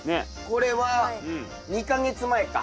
これは２か月前か。